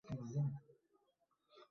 তিনি নানা বিষয় অধ্যয়ন করেন।